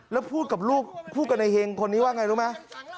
แล้วพูดกับลูกพูดกับนายเฮงคนนี้ว่าไงรู้ไหม